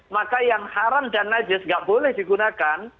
maka yang haram dan najis nggak boleh digunakan